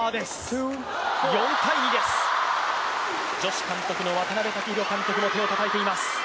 女子監督の渡辺武弘監督も手をたたいています。